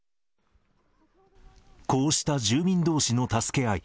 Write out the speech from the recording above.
こうした住民どうしの助け合い。